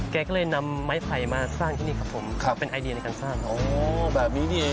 แกก็เลยนำไม้ไผ่มาสร้างที่นี่ครับผมครับเป็นไอเดียในการสร้างเขาโอ้แบบนี้ดี